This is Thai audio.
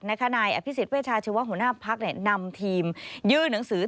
นะคะนายอภิษฎเวชาชื่อว่าหัวหน้าภักร์นำทีมยื้อหนังสือ